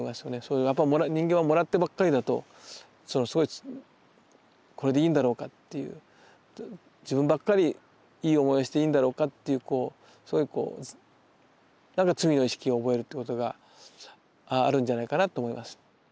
やっぱ人間はもらってばっかりだとすごい「これでいいんだろうか」っていう「自分ばっかりいい思いしていいんだろうか」っていうそういうなんか罪の意識を覚えるってことがあるんじゃないかなと思います。